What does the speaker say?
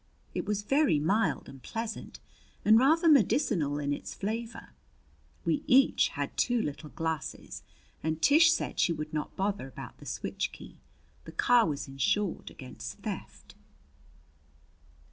It was very mild and pleasant, and rather medicinal in its flavor. We each had two little glasses and Tish said she would not bother about the switch key. The car was insured against theft.